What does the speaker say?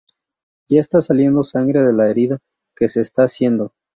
Ya está saliendo sangre de la herida que se está haciendo.